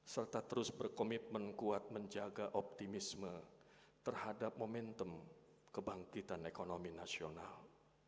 serta terus berkomitmen kuat menjaga optimisme terhadap momentum kebangkitan ekonomi nasional